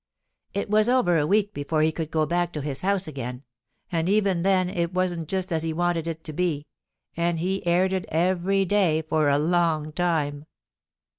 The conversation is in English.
It was over a week before he could go back to his house again, and even then it wasn't just as he wanted it to be, and he aired it every day for a long time.